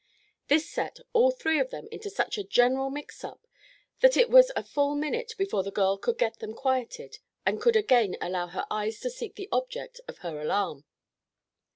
This set all three of them into such a general mix up that it was a full minute before the girl could get them quieted and could again allow her eyes to seek the object of her alarm.